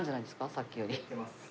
さっきより。